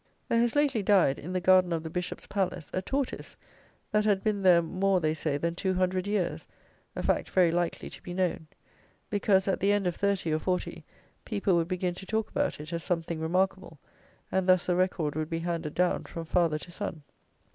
There has lately died, in the garden of the bishop's palace, a tortoise that had been there more, they say, than two hundred years; a fact very likely to be known; because, at the end of thirty or forty, people would begin to talk about it as something remarkable; and thus the record would be handed down from father to son.